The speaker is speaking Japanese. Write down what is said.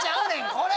これ